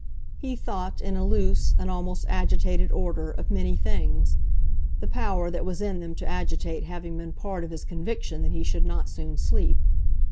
He thought, in a loose, an almost agitated order, of many things; the power that was in them to agitate having been part of his conviction that he should not soon sleep.